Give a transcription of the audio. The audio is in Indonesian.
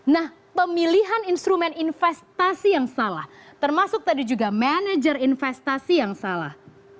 nah pemilihan instrumen investasi yang salah termasuk tadi juga manajer investasi yang salah